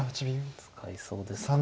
使いそうですか。